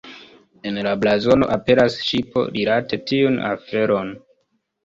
En la blazono aperas ŝipo rilate tiun aferon.